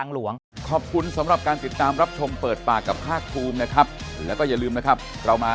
แล้วก็ความมั่นใจที่ให้พี่น้องประชาชนนั้นให้เชื่อมั่นนะครับ